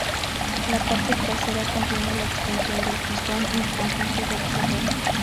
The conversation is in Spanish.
La parte trasera contiene la extensión del pistón y el conjunto del cerrojo.